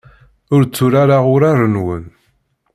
Ur tturareɣ urar-nwen.